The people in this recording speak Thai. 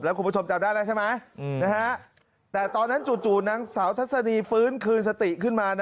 คุณผู้ชมจำได้แล้วใช่ไหมแต่ตอนนั้นจู่นางสาวทัศนีฟื้นคืนสติขึ้นมา